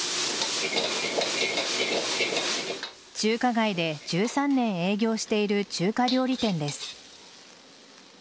中華街で１３年営業している中華料理店です。